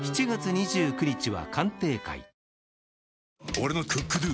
俺の「ＣｏｏｋＤｏ」！